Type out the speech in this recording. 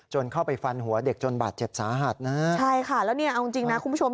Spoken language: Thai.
ใช่ค่ะแล้วเอาจริงนะคุณผู้ชม